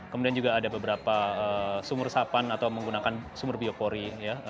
kemudian juga ada beberapa sumur resapan atau menggunakan sumur biopori